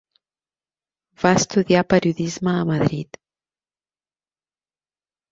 Va estudiar periodisme a Madrid.